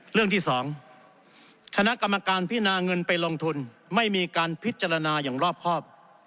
เรื่องที่๒คณะกรรมการพินาเงินไปลงทุนไม่มีการพิจารณาอย่างรอบครอบ